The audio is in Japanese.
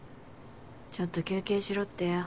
ちょっと休憩しろってよ。